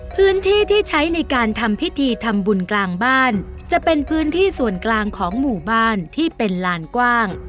พื้นที่ที่ใช้ในการทำพิธีทำบุญกลางบ้านจะเป็นพื้นที่ส่วนกลางของหมู่บ้านที่เป็นลานกว้าง